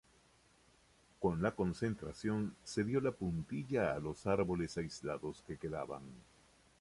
Con la concentración se dio la puntilla a los árboles aislados que quedaban.